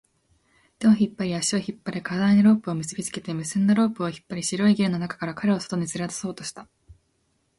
手を引っ張り、足を引っ張り、体にロープを結びつけて、結んだロープを引っ張り、白いゲルの中から彼を外に連れ出そうとした